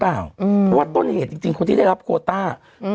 เพราะว่าต้นเหตุจริงคนที่ได้รับโคต้าอืม